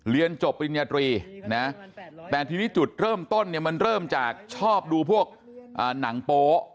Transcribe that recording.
เรียนจบปริญญาตรีนะแต่ทีนี้จุดเริ่มต้นเนี่ยมันเริ่มจากชอบดูพวกหนังโป๊ะ